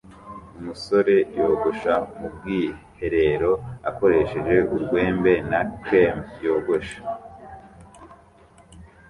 Umusore yogosha mu bwiherero akoresheje urwembe na cream yogosha